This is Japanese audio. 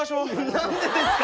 何でですか？